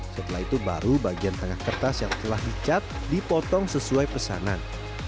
setelah itu baru bagian tengah kertas yang telah dicat dipotong sesuai pesanan